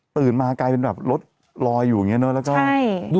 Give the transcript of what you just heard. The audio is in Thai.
ตื่นมากลายเป็นแบบรถลอยอยู่อย่างเงี้ยเนอะใช่